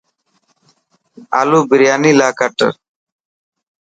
آلو برياني لاءِ ڪٽ.